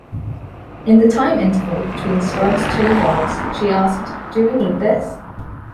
In the time interval between Strug's two vaults, she asked, Do we need this?